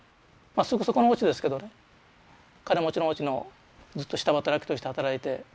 すぐそこのおうちですけどね金持ちのおうちのずっと下働きとして働いて。